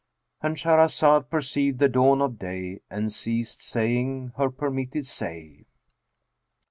'"—And Shahrazad perceived the dawn of day and ceased saying her permitted say.